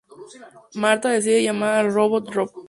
Martha decide llamar al robot Rob.